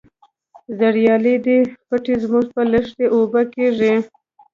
زریالي دي پټی زموږ په لښتي اوبه کیږي.